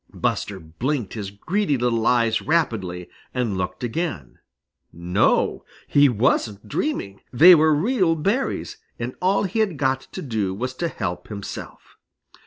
Buster blinked his greedy little eyes rapidly and looked again. No, he wasn't dreaming. They were real berries, and all he had got to do was to help himself.